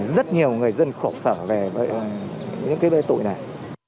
rất nhiều người dân khổ sở về những mê tội này